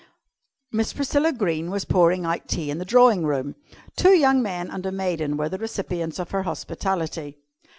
Miss Priscilla Greene was pouring out tea in the drawing room. Two young men and a maiden were the recipients of her hospitality.